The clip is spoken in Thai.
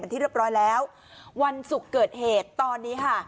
ที่เรียบร้อยแล้ววันศุกร์เกิดเหตุตอนนี้ค่ะ